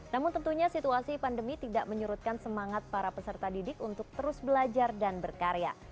namun tentunya situasi pandemi tidak menyurutkan semangat para peserta didik untuk terus belajar dan berkarya